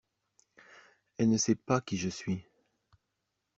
Elle ne sait pas qui je suis.